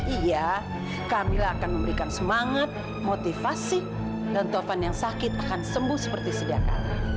iya kami akan memberikan semangat motivasi dan tovan yang sakit akan sembuh seperti sedangkan